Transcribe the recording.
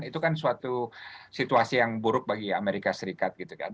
itu kan suatu situasi yang buruk bagi amerika serikat gitu kan